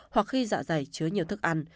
hoặc khi dạ dày chứa nhiều thức ăn